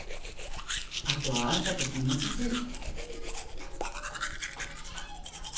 あとはあんたたちに任せる。